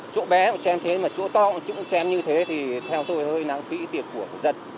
chỗ bé cũng chém thế mà chỗ to cũng chém như thế thì theo tôi hơi nắng khỉ tiệt của dân